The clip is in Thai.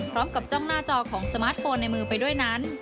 จ้องหน้าจอของสมาร์ทโฟนในมือไปด้วยนั้น